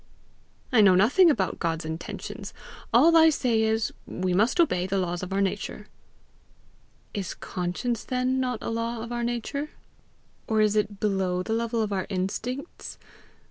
"I know nothing about God's intentions; all I say is, we must obey the laws of our nature." "Is conscience then not a law of our nature? Or is it below the level of our instincts?